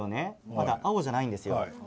まだ青じゃないんですね。